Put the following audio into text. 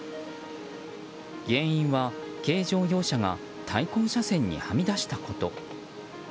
原因は軽乗用車が対向車線にはみ出したこと。